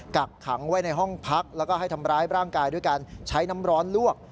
กักขังไว้ในห้องพักแล้วก็ให้ทำร้ายร่างกายด้วยการใช้น้ำร้อนลวก